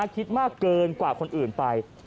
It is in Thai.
คิดมากเกินกว่าคนอื่นไป